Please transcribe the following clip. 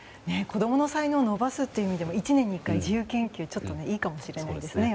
子供の才能を伸ばすという意味でも１年に１回、自由研究ちょっといいかもしれないですね。